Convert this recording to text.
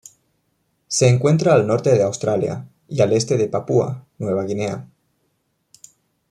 Se encuentra al norte de Australia y al este de Papúa Nueva Guinea.